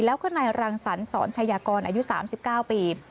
แล้วก็นายรังสรรสอนชายากรอายุ๓๙ปี